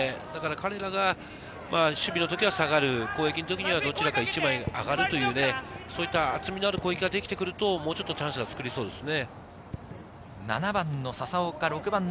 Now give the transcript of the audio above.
彼らが守備の時は下がる、攻撃の時はどちらか１枚が上がる、そういった厚みのある攻撃ができると、もうちょっとチャンスは作れそうですね。